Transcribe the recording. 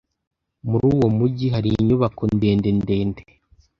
Muri uwo mujyi hari inyubako ndende ndende.